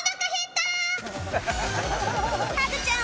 ハグちゃん